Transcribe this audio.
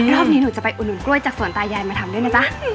ลอบนี้หนูจะไปอุดอุดเกา้ยจากสนตายายมาให้ด้วยนะจ๊ะ